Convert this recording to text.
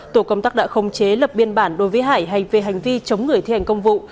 tổ công tác đã không chế lập biên bản đối với hải về hành vi chống người thi hành công vụ